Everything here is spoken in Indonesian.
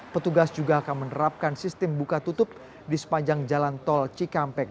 petugas juga akan menerapkan sistem buka tutup di sepanjang jalan tol cikampek